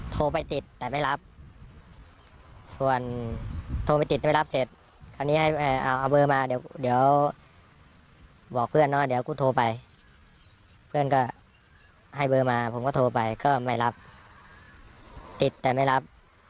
โทรไปติดแต่ไม่รับส่วนโทรไปติดไม่รับเสร็จคราวนี้ให้เอาเบอร์มาเดี๋ยวบอกเพื่อนเนอะเดี๋ยวกูโทรไปเพื่อนก็ให้เบอร์มาผมก็โทรไปก็ไม่รับติดแต่ไม่รับ